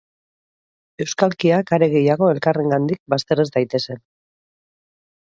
Euskalkiak are gehiago elkarrengandik bazter ez daitezen.